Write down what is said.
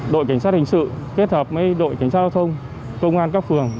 đội cảnh sát hình sự kết hợp với đội cảnh sát giao thông công an các phường